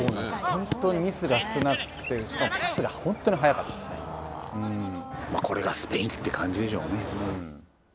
本当にミスが少なくて、しかもパこれがスペインという感じでし